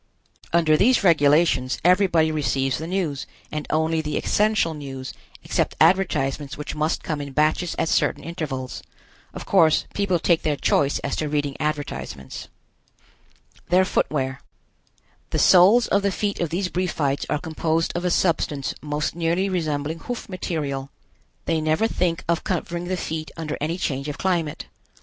Under these regulations everybody receives the news, and only the essential news, except advertisements which must come in batches at certain intervals. Of course, people take their choice as to reading advertisements. [Illustration: Sunrise Signal in Brief.] THEIR FOOTWEAR. The soles of the feet of these Briefites are composed of a substance most nearly resembling hoof material. They never think of covering the feet under any change of climate.